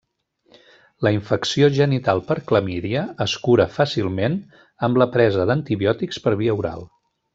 La infecció genital per clamídia es cura fàcilment amb la presa d'antibiòtics per via oral.